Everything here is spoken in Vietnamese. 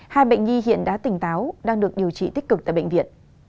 hai bệnh nhi hiện đã tỉnh táo đang được điều trị tích cực tại bệnh viện